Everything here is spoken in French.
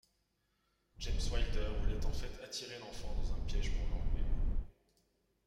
James Wilder voulait en fait attirer l'enfant dans un piège pour l'enlever.